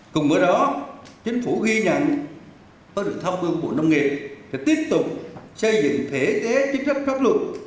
cùng với đó chính phủ ghi nhận tôi được thông bưu của nông nghiệp sẽ tiếp tục xây dựng thể tế chính sách pháp luật